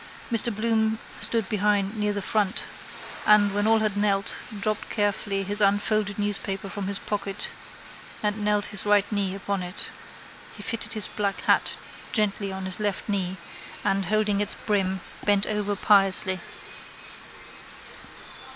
Mr Bloom stood behind near the font and, when all had knelt, dropped carefully his unfolded newspaper from his pocket and knelt his right knee upon it. He fitted his black hat gently on his left knee and, holding its brim, bent over piously.